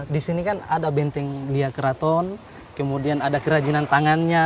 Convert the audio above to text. di sini kan ada benteng dia keraton kemudian ada kerajinan tangannya